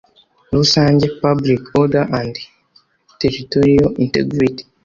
rusange public order and territorial integrity